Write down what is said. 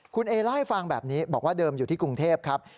คุณเอเล่าให้ฟังแบบนี้บอกว่าเดิมอยู่ที่กรุงเทพครับ